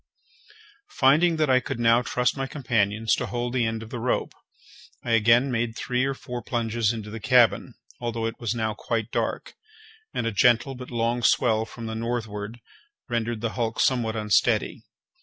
Finding that I could now trust my companions to hold the end of the rope, I again made three or four plunges into the cabin, although it was now quite dark, and a gentle but long swell from the northward rendered the hulk somewhat unsteady.